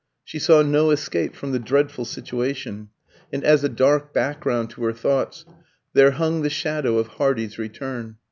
She saw no escape from the dreadful situation. And as a dark background to her thoughts there hung the shadow of Hardy's return.